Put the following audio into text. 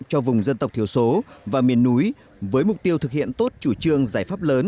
cho vùng dân tộc thiểu số và miền núi với mục tiêu thực hiện tốt chủ trương giải pháp lớn